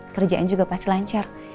kerjaan juga pasti lancar